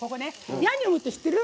ヤンニョムって知ってる？